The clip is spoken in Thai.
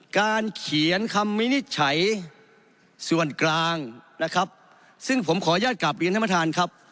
การเขียนคำวินิจฉัยส่วนกลางนะครับซึ่งผมขออนุญาตกลับเรียนท่านประธานครับ